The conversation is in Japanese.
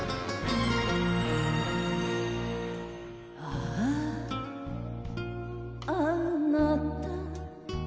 あゝあなた